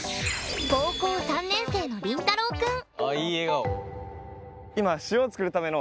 高校３年生のりんたろうくん。